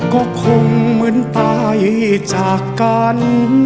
ก็คงเหมือนตายจากกัน